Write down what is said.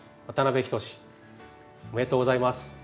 ありがとうございます。